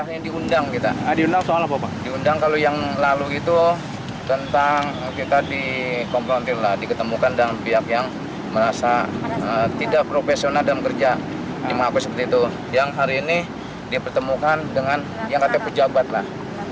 yang kurang pendidikan lah terbelakang saudarnya lah